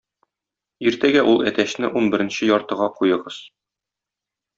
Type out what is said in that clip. Иртәгә ул әтәчне унберенче яртыга куегыз!